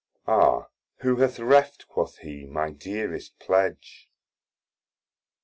Ah; Who hath reft (quoth he) my dearest pledge?